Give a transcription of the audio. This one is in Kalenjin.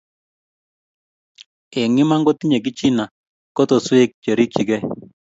eng iman kotinyei Kichina kotoswek cherikchigei